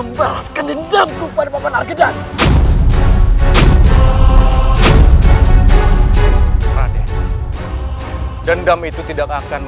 masuklah ke dalam